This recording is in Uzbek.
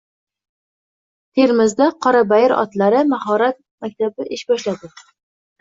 Termizda Qorabayir otlari mahorat maktabi ish boshladi